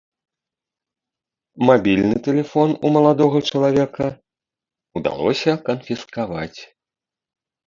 Мабільны тэлефон у маладога чалавека ўдалося канфіскаваць.